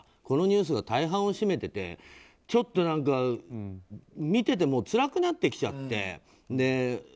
このニュースが大半を占めててちょっと見ててつらくなってきちゃって。